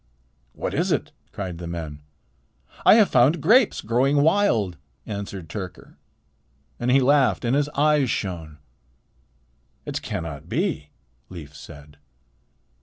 "What is it?" cried the men. "I have found grapes growing wild," answered Tyrker, and he laughed, and his eyes shone. "It cannot be," Leif said.